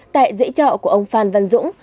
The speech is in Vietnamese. tại dễ trọ của ông phan văn dũng